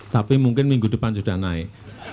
tapi mungkin minggu depan sudah naik